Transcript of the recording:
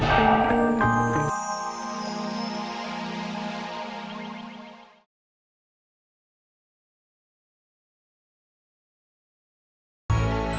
ini adalah halaman rumah saudari siena